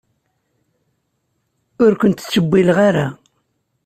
Ur ken-ttcewwilen ara.